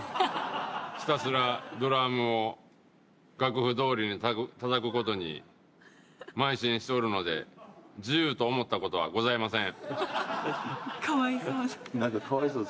ひたすらドラムを楽譜どおりにたたくことにまい進しておるので自由と思ったことはございません。